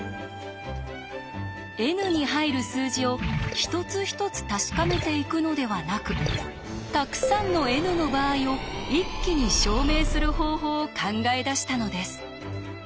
ｎに入る数字を一つ一つ確かめていくのではなくたくさんのｎの場合を一気に証明する方法を考え出したのです。